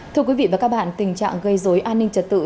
thưa quý vị và các bạn tình trạng gây dối an ninh trật tự